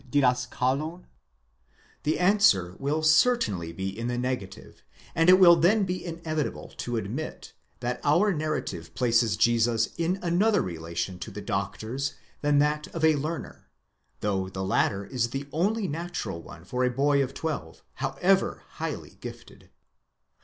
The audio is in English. ὃ the answer will certainly be in the negative, and it will then be inevitable to admit, that our narrative places Jesus in another relation to the doctors than that of a. learner, though the latter is the only natural one for a boy of twelve, however . highly gifted.